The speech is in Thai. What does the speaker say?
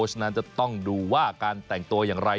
แจร่งนั้นที่ค่อยจะต้องดูว่าการแต่งตัวอย่างไร